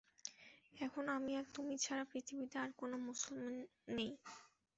এখন আমি আর তুমি ছাড়া পৃথিবীতে আর কোন মুসলিম নেই।